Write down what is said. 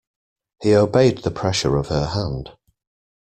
He obeyed the pressure of her hand.